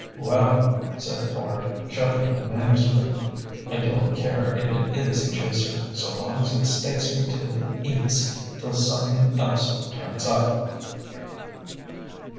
"Well," said Quard, shuffling the manuscript, "I don't care if it is a chaser, so long as it stakes me to the eats till something else turns up."